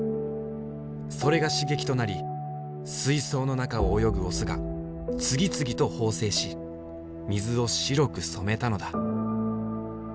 それが刺激となり水槽の中を泳ぐオスが次々と放精し水を白く染めたのだ。